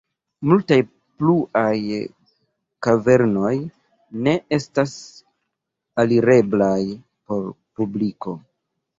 Multaj pluaj kavernoj ne estas alireblaj por publiko.